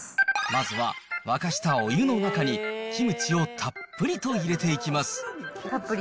まずは沸かしたお湯の中に、キムチをたっぷりと入れていきます。